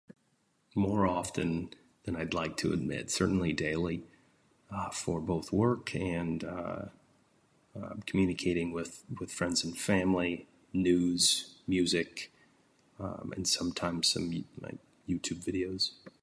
More often than I'd like to admit, certainly daily, uh for both work and uh communicating with friends and family, news, music and uhm sometimes, ah, some like YouTube videos.